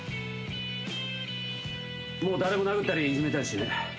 もう誰も殴ったりいじめたりしねえ。